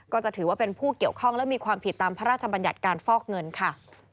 ก็จะถือว่าเป็นผู้เกี่ยวข้องและมีความผิดตามพระราชบัญญัติการฟอกเงินค่ะ